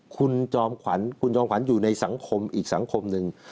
คุณจอมขวัญคุณจอมขวัญอยู่ในสังคมอีกสังคมหนึ่ง